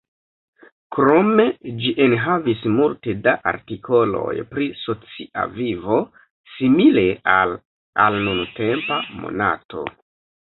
Krome ĝi enhavis multe da artikoloj pri "socia vivo", simile al al nuntempa Monato.